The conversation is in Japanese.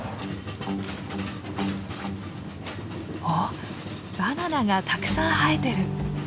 おバナナがたくさん生えてる。